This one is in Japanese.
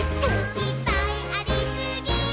「いっぱいありすぎー！！」